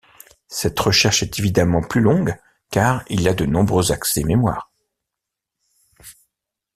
Cette recherche est évidemment plus longue car il y a de nombreux accès mémoire.